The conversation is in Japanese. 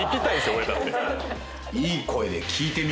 俺だって。